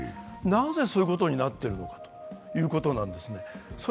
なぜそういうことになっているのかということなんですね。